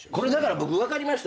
僕分かりました。